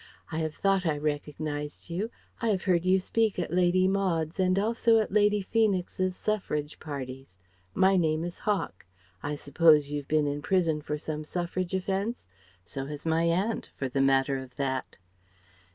I have thought I recognized you. I have heard you speak at Lady Maud's and also at Lady Feenix's Suffrage parties. My name is Hawk. I suppose you've been in prison for some Suffrage offence? So has my aunt, for the matter of that."